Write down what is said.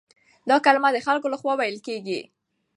دا کلمه د خلکو له خوا ويل کېږي.